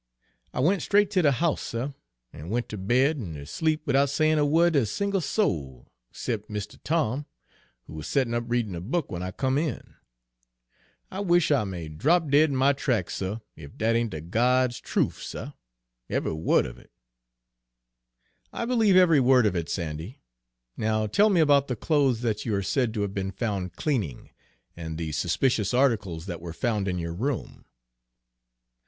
I went straight ter de house, suh, an' went ter bed an' ter sleep widout sayin' a wo'd ter a single soul excep' Mistuh Tom, who wuz settin' up readin' a book w'en I come in. I wish I may drap dead in my tracks, suh, ef dat ain't de God's truf, suh, eve'y wo'd of it!" "I believe every word of it, Sandy; now tell me about the clothes that you are said to have been found cleaning, and the suspicious articles that were found in your room?"